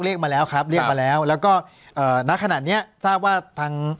มาแล้วครับเรียกมาแล้วแล้วก็เอ่อณขนาดเนี้ยทราบว่าทาง